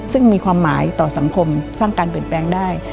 ซึ่งมีความหมายต่อสังคมสร้างการเปลี่ยนแปลงได้